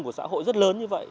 của xã hội rất lớn như vậy